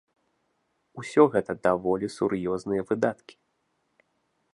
Усё гэта даволі сур'ёзныя выдаткі.